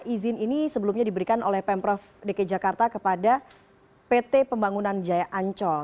izin ini sebelumnya diberikan oleh pemprov dki jakarta kepada pt pembangunan jaya ancol